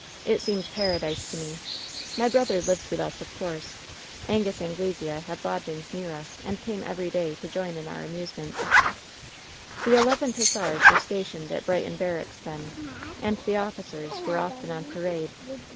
"It seemed paradise to me. My brother lived with V WHEN SHADOWS DIE 166 us, of course. Angus Anglcsea had lodgings near us, and came every day to join in our amusements. "The Eleventh Hussars were stationed at Brighton Barracks then, and the officers were often on parade.